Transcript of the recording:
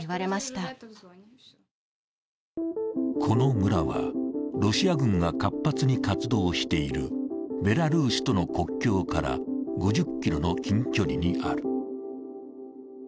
この村はロシア軍が活発に活動しているベラルーシとの国境から５０ｋｍの近距離にある。